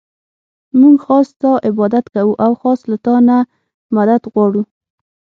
مونږ خاص ستا عبادت كوو او خاص له تا نه مدد غواړو.